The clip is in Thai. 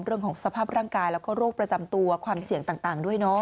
เรื่องของสภาพร่างกายแล้วก็โรคประจำตัวความเสี่ยงต่างด้วยเนาะ